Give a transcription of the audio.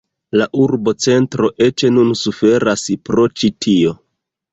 La urbocentro eĉ nun suferas pro ĉi tio.